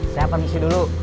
saya permisi dulu